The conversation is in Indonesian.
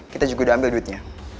kita juga udah ambil duitnya